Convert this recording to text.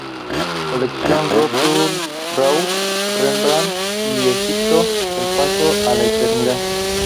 Colección Rau, Rembrandt y "Egipto: el paso a la eternidad".